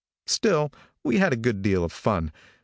Still we had a good deal of fun.